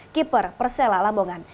keeper persela lambongan